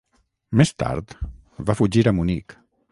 Més tard, va fugir a Munic.